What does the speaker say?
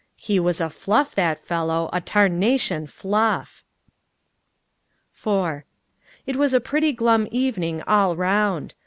He was a fluff, that fellow a tarnation fluff! IV It was a pretty glum evening all round.